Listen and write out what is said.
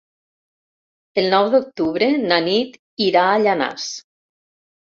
El nou d'octubre na Nit irà a Llanars.